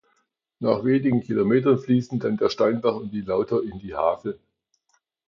Nach wenigen Kilometern fließen dann der Steinbach und die Lauter in die Hasel.